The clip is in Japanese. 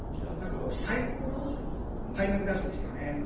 最高の開幕ダッシュでしたね。